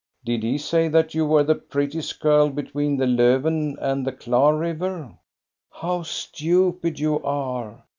" Did he say that you were the prettiest girl be tween the Lofven and the Klar River? "" How stupid you are